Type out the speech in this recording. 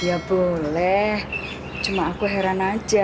ya boleh cuma aku heran aja